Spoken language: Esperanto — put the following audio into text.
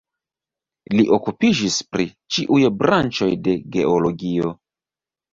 Li okupiĝis pri ĉiuj branĉoj de geologio.